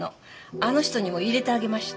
あの人にも淹れてあげました。